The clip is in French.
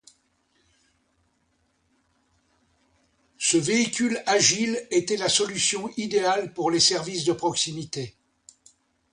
Ce véhicule agile était la solution idéale pour les services de proximité.